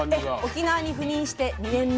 沖縄に赴任して２年目。